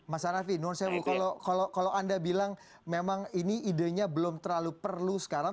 mas hanafi non kalau anda bilang memang ini idenya belum terlalu perlu sekarang